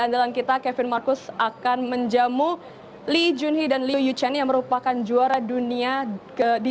andalan kita kevin marcus akan menjamu lee junhee dan liu yu chen yang merupakan juara dunia ke di